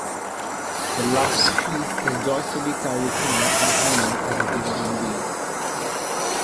The last sheaf is joyfully carried home and honored as a divine being.